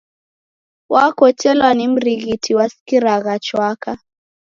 Wakotelwa ni mrighiti wasikiragha chwaka?